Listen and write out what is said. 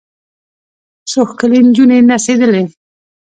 څو ښکلې نجونې نڅېدلې.